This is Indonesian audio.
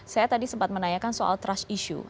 saya tadi sempat menanyakan soal trust issue